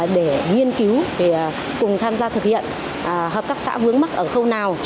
để nghiên cứu cùng tham gia thực hiện hợp tác xã vướng mắt ở khâu nào